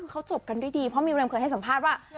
เขาจบกันด้วยดีเพราะมิวดำเคยให้สัมภาษณ์ว่า